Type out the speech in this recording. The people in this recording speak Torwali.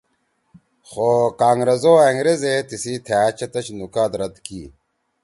خو کانگرس او أنگریزے تیِسی تھأ چتَش نکات رَد کی